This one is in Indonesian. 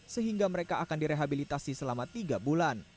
sehingga mereka akan direhabilitasi selama tiga bulan